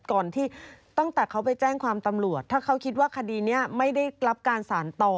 ก่อนที่ตั้งแต่เขาไปแจ้งความตำรวจถ้าเขาคิดว่าคดีนี้ไม่ได้รับการสารต่อ